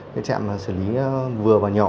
trạm xử lý vừa và nhỏ